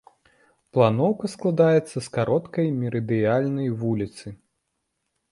Планоўка складаецца з кароткай мерыдыянальнай вуліцы.